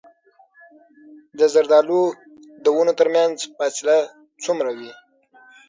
د زردالو د ونو ترمنځ فاصله څومره وي؟